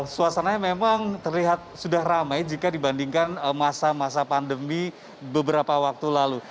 suasananya memang terlihat sudah ramai jika dibandingkan masa masa pandemi beberapa waktu lalu